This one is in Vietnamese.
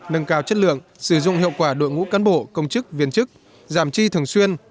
nâng cao chất lượng sử dụng hiệu quả đội ngũ cán bộ công chức viên chức giảm chi thường xuyên